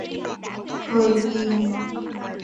Thời kỳ